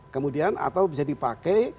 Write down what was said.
kemudian atau bisa dipakai